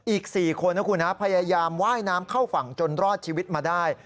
อีก๔คนนะคุณนะพยายามไหว้น้ำเข้าฝั่งจนรอดชีวิตมาได้